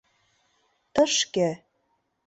Тышке!..